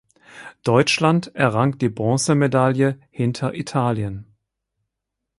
Deutschland errang die Bronzemedaille hinter Italien.